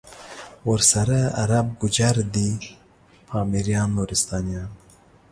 ورسره عرب، گوجر دی پامیریان، نورستانیان